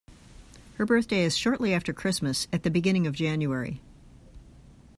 Her birthday is shortly after Christmas, at the beginning of January